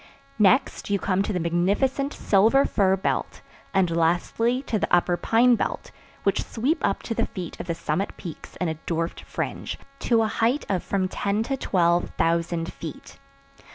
Next you come to the magnificent silver fir belt and lastly to the upper pine belt, which sweep up to the feet of the summit peaks in a dwarfed fringe, to a height of from ten to twelve thousand feet.